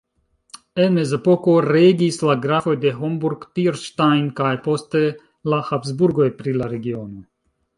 En mezepoko regis la Grafoj de Homburg-Thierstein kaj poste la Habsburgoj pri la regiono.